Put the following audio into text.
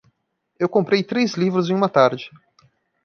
Eu comprei três livros em uma tarde.